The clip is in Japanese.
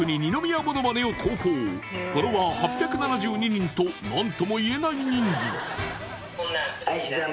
フォロワー８７２人と何ともいえない人数いや